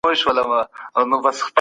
نهه لسیان؛ نیوي کېږي.